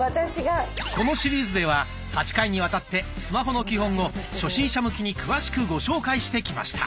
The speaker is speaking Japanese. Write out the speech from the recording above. このシリーズでは８回にわたってスマホの基本を初心者向きに詳しくご紹介してきました。